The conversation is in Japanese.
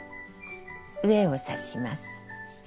上を刺します。